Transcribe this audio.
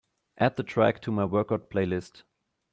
Add the track to my workout playlist.